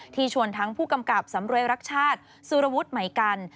ชวนทั้งผู้กำกับสำรวยรักชาติสุรวุฒิใหม่กัน